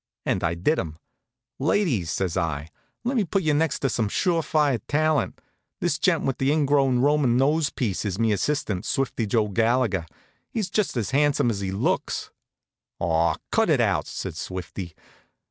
And I did 'em. "Ladies," says I, "lemme put you next to some sure fire talent. This gent with the ingrowin' Roman nose piece is me assistant Swifty Joe Gallagher. He's just as han'some as he looks." "Aw, cut it out!" says Swifty.